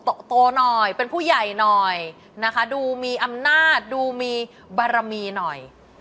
โตหน่อยเป็นผู้ใหญ่หน่อยนะคะดูมีอำนาจดูมีบารมีหน่อย